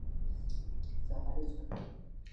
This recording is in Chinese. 它是红灯区的一部分。